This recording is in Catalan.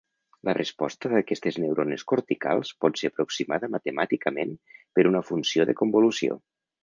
La resposta d'aquestes neurones corticals pot ser aproximada matemàticament per una funció de convolució.